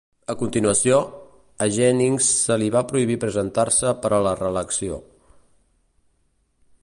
A continuació, a Jennings se li va prohibir presentar-se per a la reelecció.